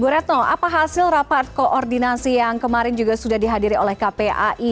bu retno apa hasil rapat koordinasi yang kemarin juga sudah dihadiri oleh kpai